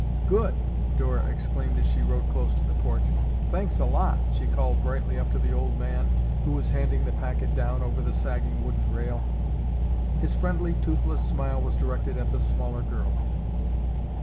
"Good!" Dora exclaimed as she rode close to the porch. "Thanks a lot," she called brightly up to the old man who was handing the packet down over the sagging wooden rail. His friendly, toothless smile was directed at the smaller girl.